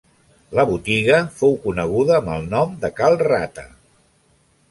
La botiga fou coneguda amb el nom de Cal Rata.